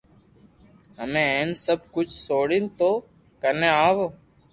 ھمي ھين سب ڪجھ سوڙين ٿو ڪني آوو